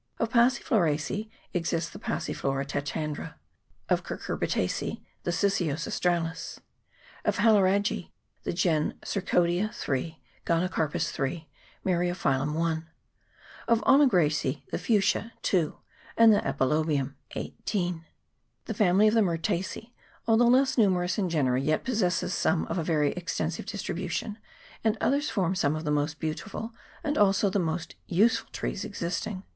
Of Passifloracece exists the Passiflora tetrandra. Of Cucurbitacea the Sicyos Australis. Of Haloragece the gen. Cercodia (3), Goniocorpus (3), Myriophyllum (1). Of OnagrariecB the Fuchsia (2), and the Epilobium (18). The family of the Myrtacea, although less numerous in genera, yet possesses some of a very extensive distri bution, and others form some of the most beautiful and also most useful trees existing.